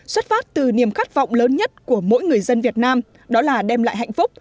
xuất phát từ niềm khát vọng lớn nhất của mỗi người dân việt nam đó là đem lại hạnh phúc